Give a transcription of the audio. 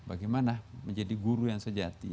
bagaimana menjadi guru yang sejati